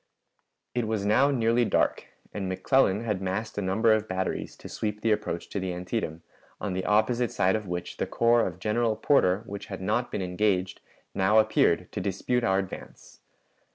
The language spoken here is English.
It was now nearly dark, and McClellan had massed a number of batteries to sweep the approach to the Antietam, on the opposite side of which the corps of General Porter, which had not been engaged, now appeared to dispute our advance.